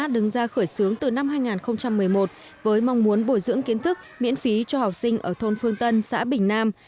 đứng ra khởi xướng từ năm hai nghìn một mươi một với mong muốn bồi dưỡng kiến thức miễn phí cho học sinh ở thôn phương tân xã bình nam